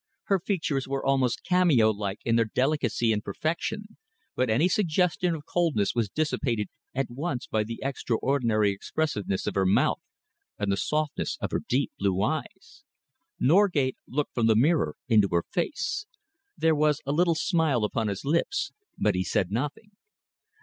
Her features were almost cameo like in their delicacy and perfection, but any suggestion of coldness was dissipated at once by the extraordinary expressiveness of her mouth and the softness of her deep blue eyes. Norgate looked from the mirror into her face. There was a little smile upon his lips, but he said nothing.